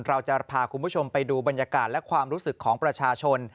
เราจะพาคุณผู้ชมไปดูบรรยากาศและความรู้สึกของประชาชน